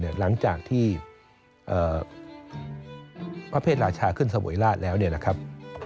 หลังจากที่พระเภทหลาชาขึ้นสโบยราชแล้วนะครับ